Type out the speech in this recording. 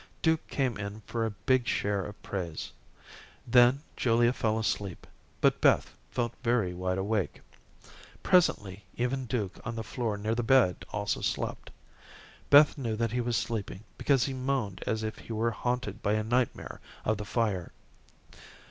Duke came in for a big share of praise. Then Julia fell asleep, but Beth felt very wide awake. Presently, even Duke on the floor near their bed also slept. Beth knew that he was sleeping because he moaned as if he were haunted by a nightmare of the fire.